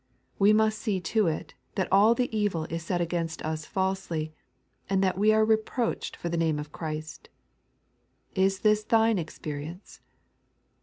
We must see to it that all the evil is said against us faJsely, and that we are reproached for the name of Christ, Is this thine experience